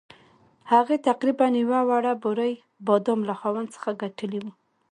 هغې تقریباً یوه وړه بورۍ بادام له خاوند څخه ګټلي وو.